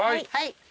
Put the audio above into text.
はい。